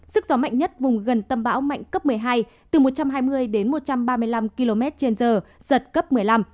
sức gió mạnh nhất vùng gần tâm bão mạnh cấp một mươi hai từ một trăm hai mươi đến một trăm ba mươi năm km trên giờ giật cấp một mươi năm